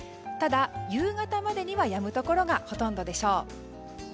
ただ、夕方までにはやむところがほとんどでしょう。